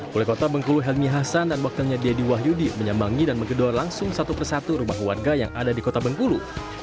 wali kota bengkulu helmi hasan dan wakilnya deddy wahyudi menyambangi dan menggedor langsung satu persatu rumah warga yang ada di kota bengkulu